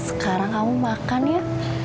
sekarang kamu makan ya